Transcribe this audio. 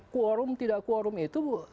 kuorum tidak kuorum itu adalah